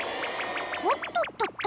おっとっとっと。